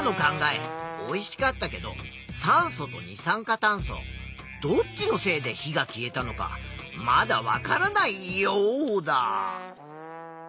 おいしかったけど酸素と二酸化炭素どっちのせいで火が消えたのかまだわからないヨウダ。